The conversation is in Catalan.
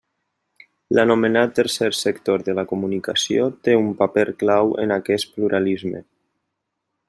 L'anomenat tercer sector de la comunicació té un paper clau en aquest pluralisme.